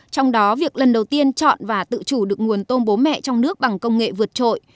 trong đó việc lần đầu tiên chọn và tự chủ được nguồn tôm bố mẹ trong nước bằng công nghệ vượt trội